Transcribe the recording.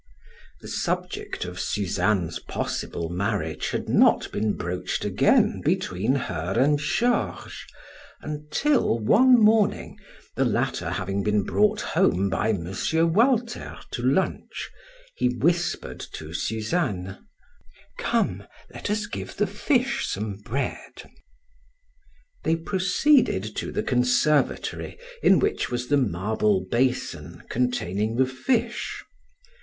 The subject of Suzanne's possible marriage had not been broached again between her and Georges until one morning, the latter having been brought home by M. Walter to lunch, he whispered to Suzanne: "Come, let us give the fish some bread." They proceeded to the conservatory in which was the marble basin containing the fish.